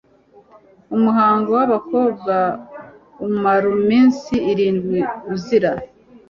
umuhango w abakobwa umaru iminsi irindwi uzira